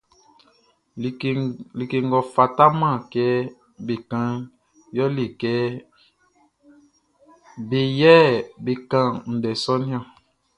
Like ngʼɔ fataman kɛ be kanʼn yɛle kɛ be yɛ be kan ndɛ sɔʼn niɔn.